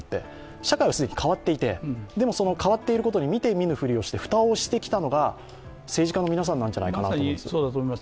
社会は既に変わっていて、でも代わっていることに見て見ぬ振りをして蓋をしてきたのが政治家の皆さんなんじゃないかなと思います。